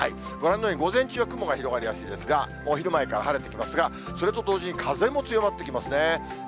ご覧のように、午前中は雲が広がりやすいですが、お昼前から晴れてきますが、それと同時に風も強まってきますね。